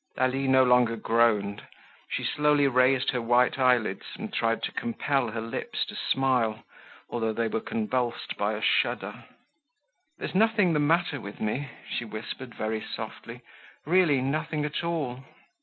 Lalie no longer groaned. She slowly raised her white eyelids, and tried to compel her lips to smile, although they were convulsed by a shudder. "There's nothing the matter with me," she whispered very softly. "Really nothing at all."